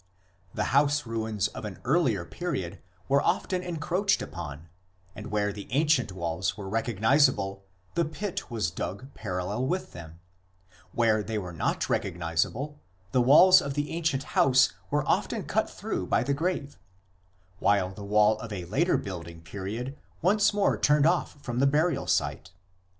... The house ruins of an earlier period were often encroached upon, and where the ancient walls were recognizable the pit was dug parallel with them ; where they were not recognizable the walls of the ancient house were often cut through by the grave, while the wall of a later building period once more turned off from the burial site.